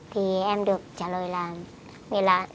thì em được trả lời là